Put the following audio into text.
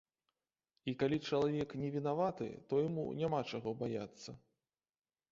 І калі чалавек не вінаваты, то яму няма чаго баяцца.